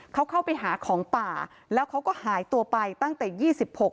เขาเข้าไปหาของป่าแล้วเขาก็หายตัวไปตั้งแต่ยี่สิบหก